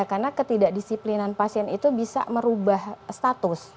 karena ketidak disiplinan pasien itu bisa merubah status